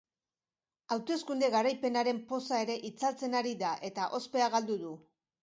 Hauteskunde garaipenaren poza ere itzaltzen ari da eta ospea galdu du.